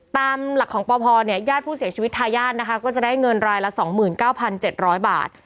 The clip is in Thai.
ตามหลักของปพเนี่ยญาติผู้เสียชีวิตทายาทนะคะก็จะได้เงินรายละ๒๙๗๐๐บาท